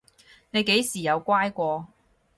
你幾時有乖過？